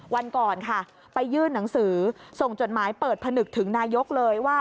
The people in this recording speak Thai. วันก่อนค่ะไปยื่นหนังสือส่งจดหมายเปิดผนึกถึงนายกเลยว่า